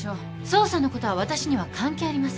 捜査のことは私には関係ありません。